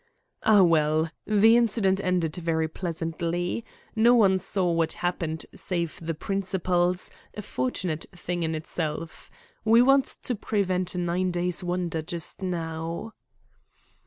"Ah, well, the incident ended very pleasantly. No one saw what happened save the principals, a fortunate thing in itself. We want to prevent a nine days' wonder just now."